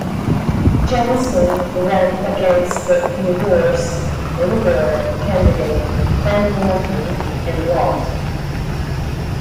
Jensen ran against the endorsed Liberal candidate Ben Morton and lost.